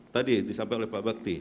tadi disampaikan oleh pak bakti